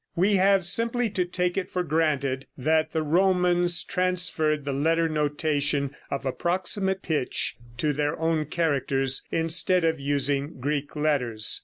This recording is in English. We have simply to take it for granted that the Romans transferred the letter notation of approximate pitch to their own characters instead of using Greek letters.